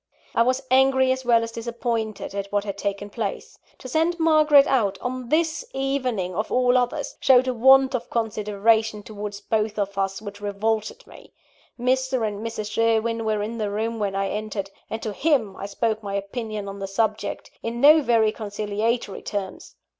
I was angry as well as disappointed at what had taken place. To send Margaret out, on this evening of all others, showed a want of consideration towards both of us, which revolted me. Mr. and Mrs. Sherwin were in the room when I entered; and to him I spoke my opinion on the subject, in no very conciliatory terms.